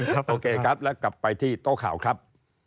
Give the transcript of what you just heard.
โอเคครับแล้วกลับไปที่โต๊ะข่าวครับ